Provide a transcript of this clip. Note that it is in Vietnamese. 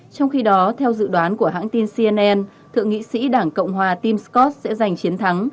trong khi đó theo dự đoán của hãng tin cnn thượng nghị sĩ đảng cộng hòa tim scott sẽ giành chiến thắng